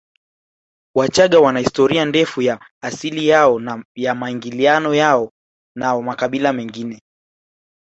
Wachagga wana historia ndefu ya asili yao na ya maingiliano yao na makabila mengine